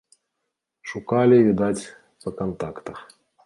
Шукалі, відаць, па кантактах.